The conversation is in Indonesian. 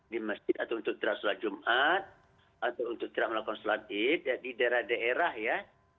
di masjid atau untuk tidak sholat jumat atau untuk tidak melakukan sholat id di daerah daerah ya